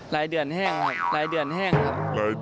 รายเดือนแห้งครับ